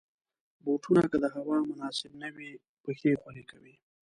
بوټونه که د هوا مناسب نه وي، پښې خولې کوي.